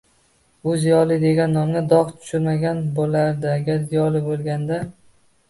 U ziyoli degan nomga dog‘ tushirmagan bo‘lardi agar ziyoli bo‘lganda.